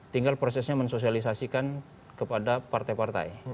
tinggal prosesnya mensosialisasikan kepada partai partai